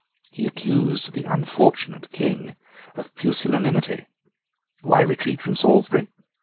He accused the unfortunate King of pusillanimity. Why retreat from Salisbury?